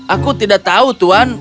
aku tidak tahu tuhan